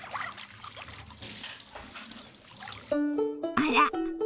あら！